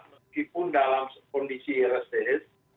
meskipun dalam kondisi reses